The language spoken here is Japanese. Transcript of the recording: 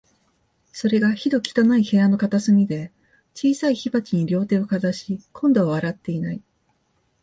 それが、ひどく汚い部屋の片隅で、小さい火鉢に両手をかざし、今度は笑っていない